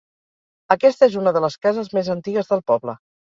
Aquesta és una de les cases més antigues del poble.